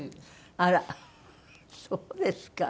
あらそうですか。